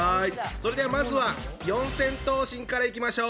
それではまずは四千頭身からいきましょう！